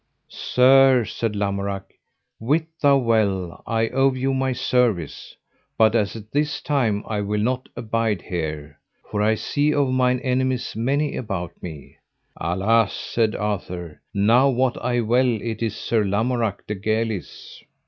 Sir, said Lamorak, wit thou well, I owe you my service, but as at this time I will not abide here, for I see of mine enemies many about me. Alas, said Arthur, now wot I well it is Sir Lamorak de Galis.